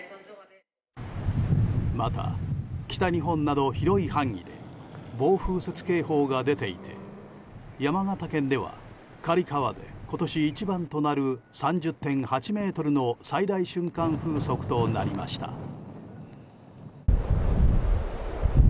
また、北日本など広い範囲で暴風雪警報が出ていて山形県では狩川で今年一番となる３０．８メートルの最大瞬間風速となりました。